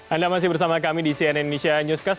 anda masih bersama kami di cnn indonesia newscast